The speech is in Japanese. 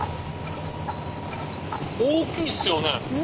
大きいっすよね。